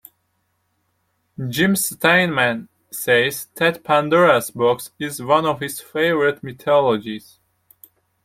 Jim Steinman says that Pandora's Box is one of his favourite mythologies.